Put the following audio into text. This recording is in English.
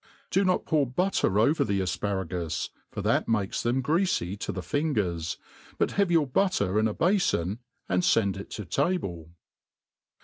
Do not pour butter over the afparagus, for that makes them greafy to the fingers, but have your butter in a bafoii> and fend it to table.